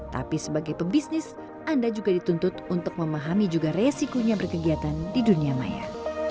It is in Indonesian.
tapi sebagai pebisnis anda juga dituntut untuk memahami juga resikonya berkegiatan di dunia maya